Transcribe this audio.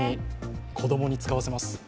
子供に使わせます。